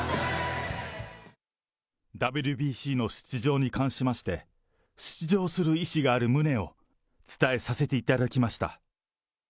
ＷＢＣの出場に関しまして、出場する意思がある旨を伝えさせていただきました。